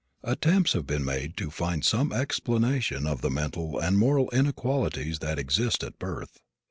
Attempts have been made to find some explanation of the mental and moral inequalities that exist at birth.